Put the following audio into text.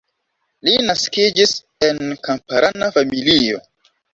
Li naskiĝis en kamparana familio.